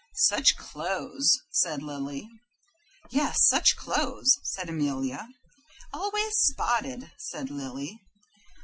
"Such clothes!" said Lily. "Yes, such clothes!" said Amelia. "Always spotted," said Lily.